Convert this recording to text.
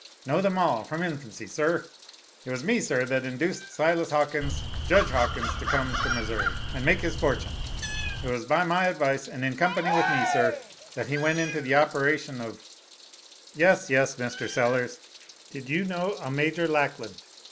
"Know them all, from infancy, sir. It was me, sir, that induced Silas Hawkins, Judge Hawkins, to come to Missouri, and make his fortune. It was by my advice and in company with me, sir, that he went into the operation of " "Yes, yes. Mr. Sellers, did you know a Major Lackland?"